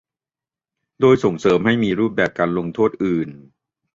โดยส่งเสริมให้มีรูปแบบการลงโทษอื่น